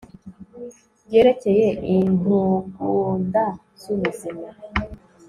byerekeye intugunda z ubuzima